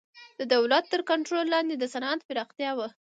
د دولت تر کنټرول لاندې د صنعت پراختیا وه